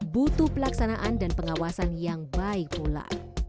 butuh pelaksanaan dan pengawasan yang baik pula